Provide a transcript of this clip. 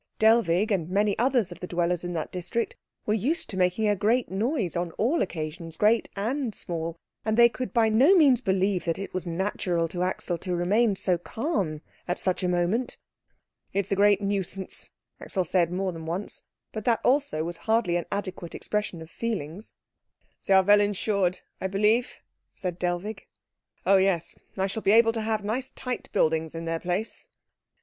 Dellwig and many others of the dwellers in that district were used to making a great noise on all occasions great and small, and they could by no means believe that it was natural to Axel to remain so calm at such a moment. "It is a great nuisance," Axel said more than once; but that also was hardly an adequate expression of feelings. "They are well insured, I believe?" said Dellwig. "Oh yes. I shall be able to have nice tight buildings in their place."